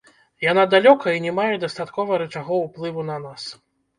Яна далёка і не мае дастаткова рычагоў уплыву на нас.